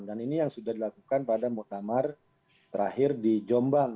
dan ini yang sudah dilakukan pada muktamar terakhir di jombang